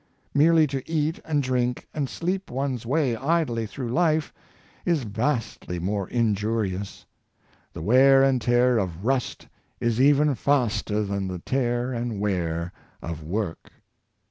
Merely to eat and drink and sleep one's way idly through life is vastly more injurious. The wear and tear of rust is even faster than the tear and wear of work.